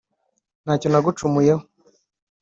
nta cyo nagucumuyeho